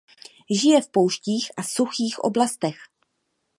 Žije v pouštích a suchých oblastech.